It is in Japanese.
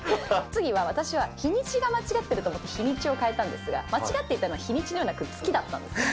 次は私は日にちが間違っていると思って日にちを変えたんですが、間違っていたのは日にちではなく、月だったんですよ。